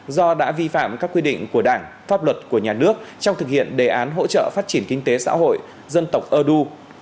do đã vi phạm các quy định của đảng pháp luật của nhà nước trong thực hiện đề án hỗ trợ phát triển kinh tế xã hội dân tộc ơ đu